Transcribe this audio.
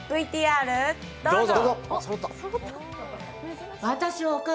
ＶＴＲどうぞ。